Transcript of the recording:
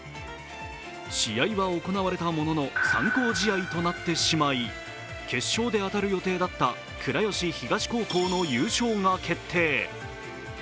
試合は行われたものの参考試合となってしまい決勝で当たる予定だった倉吉東高校の優勝が決定。